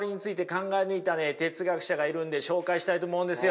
考え抜いた哲学者がいるんで紹介したいと思うんですよ。